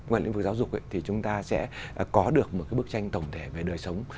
ngoài lĩnh vực giáo dục thì chúng ta sẽ có được một cái bức tranh tổng thể về đời sống